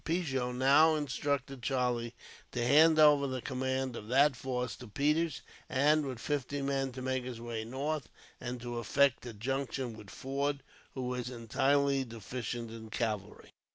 Pigot now instructed Charlie to hand over the command of that force to Peters; and, with fifty men, to make his way north and to effect a junction with Forde, who was entirely deficient in cavalry.